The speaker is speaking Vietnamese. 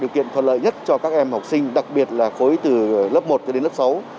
điều kiện thuận lợi nhất cho các em học sinh đặc biệt là khối từ lớp một cho đến lớp sáu